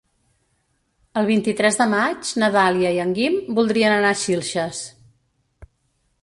El vint-i-tres de maig na Dàlia i en Guim voldrien anar a Xilxes.